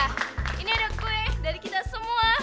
oh iya ini ada kue dari kita semua